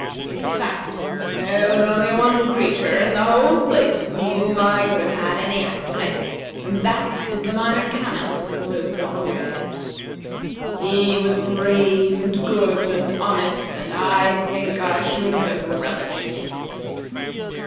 In fact, there was only one creature in the whole place for whom I could have had any appetite, and that is the Minor Canon, who has gone away. He was brave, and good, and honest, and I think I should have relished him."